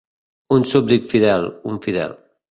Un súbdit fidel, un fidel.